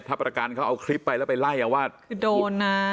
ถ้าประกันเขาเอาคลิปไปแล้วไปไล่เอาว่าคือโดนนะ